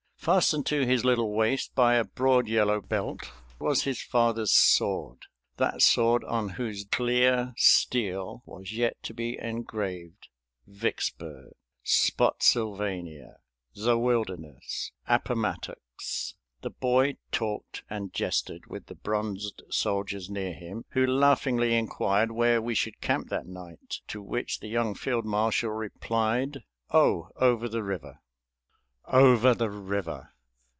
Fastened to his little waist by a broad yellow belt was his father's sword that sword on whose clear steel was yet to be engraved "Vicksburg," "Spotsylvania," "The Wilderness," "Appomattox." The boy talked and jested with the bronzed soldiers near him, who laughingly inquired where we should camp that night; to which the young field marshal replied, "Oh, over the river." "Over the river!"